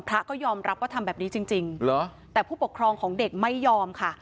พระก็ยอมรับว่าทำแบบนี้จริงเหรอแต่ผู้ปกครองของเด็กไม่ยอมค่ะ